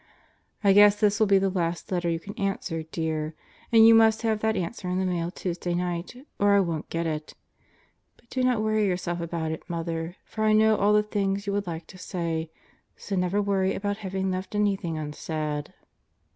I guess this will be the last letter you can answer, dear. And you must have that answer in the mail Tuesday night, or I won't get it. But do not worry yourself about it, Mother; for I know all the things you would like to say, so never worry about having left anything unsaid.